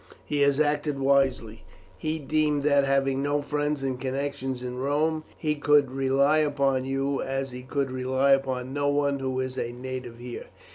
He has acted wisely. He deemed that, having no friends and connections in Rome, he could rely upon you as he could rely upon no one who is a native here.